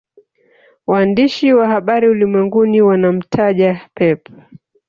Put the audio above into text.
Waandishi wa habari ulimwenguni wanamtaja Pep